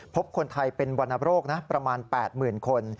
พบคนไทยเป็นวรรณโรคนะประมาณ๘๐๐๐คน